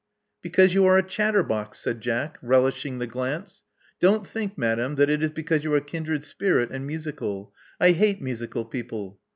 Because you are a chatterbox," said Jack, relish ing the glance. Don't think, madame, that it is because you are a kindred spirit and musical. I hate musical people.